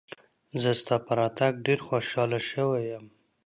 زه ستا په راتګ ډېر خوشاله شوی یم.